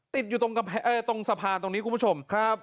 ติดอยู่ตรงสะพานตรงนี้คุณผู้ชมครับ